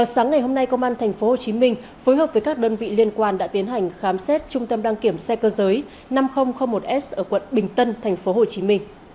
sáng ngày hôm nay công an tp hcm phối hợp với các đơn vị liên quan đã tiến hành khám xét trung tâm đăng kiểm xe cơ giới năm nghìn một s ở quận bình tân tp hcm